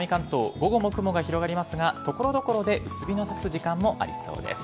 午後も雲が広がりますが、ところどころで薄日のさす時間もありそうです。